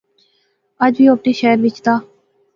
اج وی او اپنے شہرے وچ دا